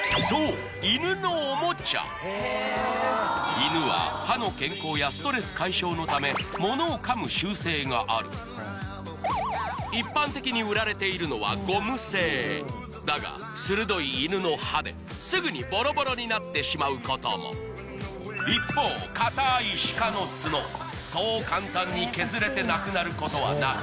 犬は歯の健康やストレス解消のため物を噛む習性がある一般的に売られているのはゴム製だが鋭い犬の歯ですぐにボロボロになってしまうことも一方硬い鹿の角そう簡単に削れてなくなることはなく